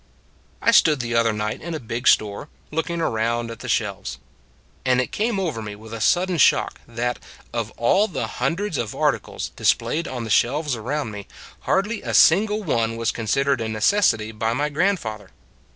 I stood the other night in a big store, looking around at the shelves. And it came over me with a sudden shock that, of all the hundreds of articles displayed on the shelves around me, hardly a single one was considered a necessity by my grand father.